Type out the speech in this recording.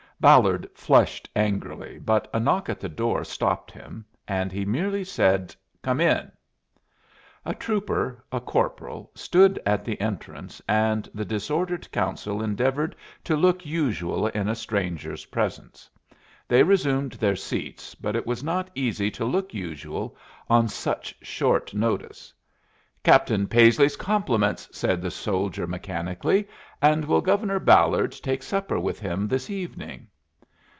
Ballard flushed angrily, but a knock at the door stopped him, and he merely said, "Come in." A trooper, a corporal, stood at the entrance, and the disordered Council endeavored to look usual in a stranger's presence. They resumed their seats, but it was not easy to look usual on such short notice. "Captain Paisley's compliments," said the soldier, mechanically, "and will Governor Ballard take supper with him this evening?"